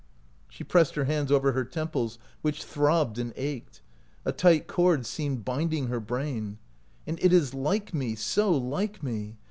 She pressed her hands over her temples, which throbbed and ached. A tight cord seemed binding her brain. "And it is like me, so like me!